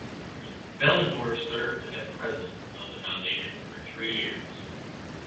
Behlendorf served as president of the foundation for three years.